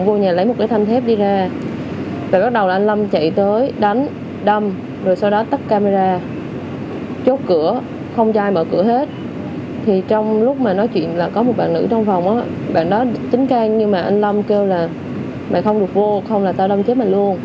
bạn đó tính canh như mà anh lâm kêu là mày không được vô không là tao đâm chết mày luôn